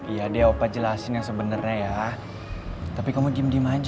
iya deh opa jelasin yang sebenernya ya tapi kamu diem diem aja